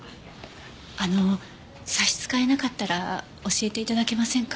あの差し支えなかったら教えて頂けませんか？